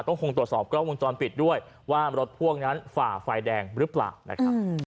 ก็คงตรวจสอบกล้องวงจรปิดด้วยว่ารถพ่วงนั้นฝ่าไฟแดงหรือเปล่านะครับ